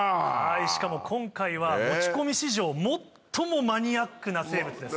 しかも今回は持ち込み史上最もマニアックな生物です。